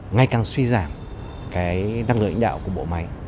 ngày càng suy giảm cái năng lực lãnh đạo của bộ máy